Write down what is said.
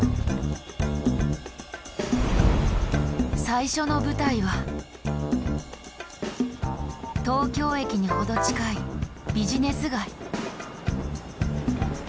最初の舞台は東京駅にほど近いビジネス街。